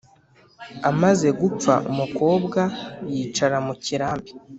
amaze gupfa, umukobwa yicara mu kirambi,